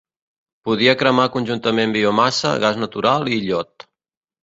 Podia cremar conjuntament biomassa, gas natural i llot.